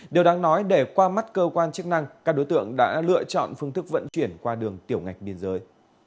điều đáng nói để qua mắt cơ quan chức năng các đối tượng đã lựa chọn phương thức vận chuyển qua đường tiểu ngạch biên giới